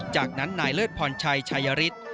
จากนั้นนายเลิศพรชัยชายฤทธิ์